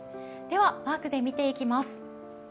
ではマークで見ていきます。